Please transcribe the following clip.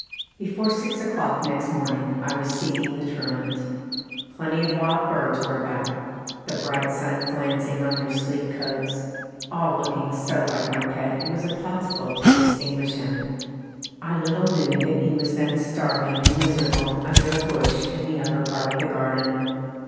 Before six o'clock next morning I was seeking the truant. Plenty of wild birds were about, the bright sun glancing on their sleek coats all looking so like my pet it was impossible to distinguish him. I little knew that he was then starving and miserable under a bush in the upper part of the garden.